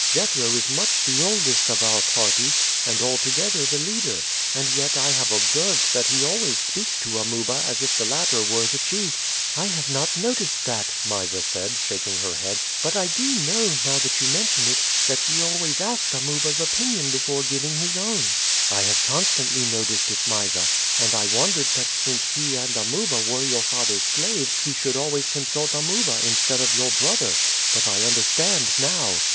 Jethro is much the oldest of our party, and altogether the leader, and yet I have observed that he always speaks to Amuba as if the latter were the chief." "I have not noticed that," Mysa said, shaking her head; "but I do know, now you mention it, that he always asked Amuba's opinion before giving his own." "I have constantly noticed it, Mysa, and I wondered that since he and Amuba were your father's slaves he should always consult Amuba instead of your brother; but I understand now.